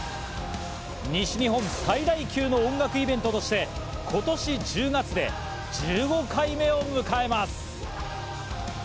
西日本最大級の音楽イベントとして、今年１０月で１５回目を迎えます。